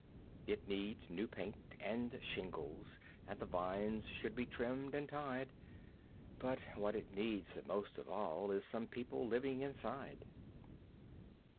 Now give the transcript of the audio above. It needs new paint and shingles, and the vines should be trimmed and tied; But what it needs the most of all is some people living inside.